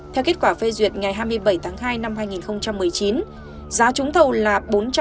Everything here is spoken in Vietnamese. theo kết quả phê duyệt ngày hai mươi bảy tháng hai năm hai nghìn một mươi chín giá trúng thầu là bốn trăm chín mươi sáu ba mươi bốn tám trăm linh đồng